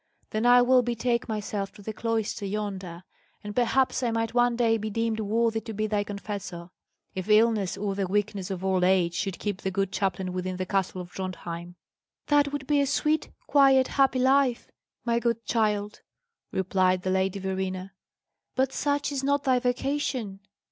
Then I will betake myself to the cloister yonder; and perhaps I might one day be deemed worthy to be thy confessor, if illness or the weakness of old age should keep the good chaplain within the castle of Drontheim." "That would be a sweet, quietly happy life, my good child," replied the Lady Verena; "but such is not thy vocation.